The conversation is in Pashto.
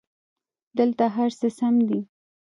دلته هرڅه سم دي